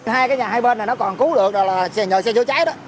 hai cái nhà hai bên này nó còn cứu được là nhờ xe chữa cháy đó